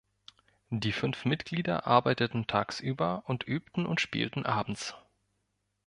Die fünf Mitglieder arbeiteten tagsüber und übten und spielten abends.